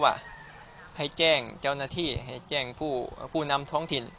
ว่าให้แจ้งเจ้าหน้าที่ให้แจ้งผู้นำท้องถิ่น